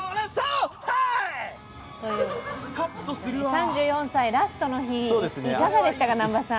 ３４歳、ラストの日、いかがでしたか南波さん。